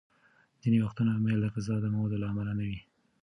ځینې وختونه میل د غذايي موادو له امله نه وي.